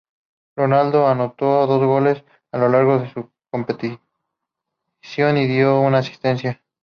Ronaldo anotó dos goles a lo largo de la competición y dio una asistencia.